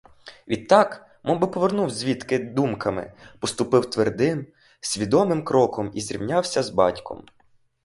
Відтак, мовби повернув звідки думками, поступив твердим, свідомим кроком і зрівнявся з батьком.